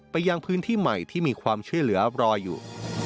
ยังพื้นที่ใหม่ที่มีความช่วยเหลือรออยู่